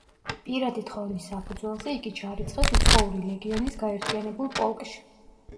პირადი თხოვნის საფუძველზე იგი ჩარიცხეს უცხოური ლეგიონის გაერთიანებულ პოლკში.